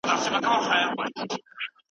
یوه ورځ به دا هڅې ګل وکړي.